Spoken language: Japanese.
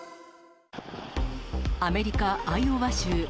アメリカ・アイオワ州。